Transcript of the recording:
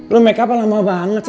lo makeupnya lama banget sih